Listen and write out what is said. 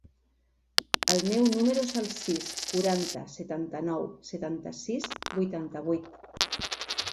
El meu número es el sis, quaranta, setanta-nou, setanta-sis, vuitanta-vuit.